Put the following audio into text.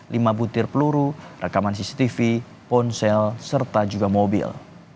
lima butir peluru rekaman cctv ponsel serta juga mobil